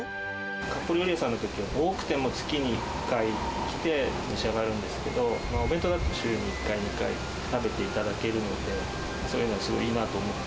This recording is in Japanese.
かっぽう料理店さんのときは、多くても月に１回来て召し上がるんですけど、お弁当だと週１回、２回食べていただけるので、そういうの、すごいいいなと思っ